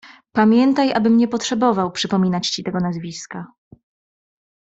"Pamiętaj, abym nie potrzebował przypominać ci tego nazwiska."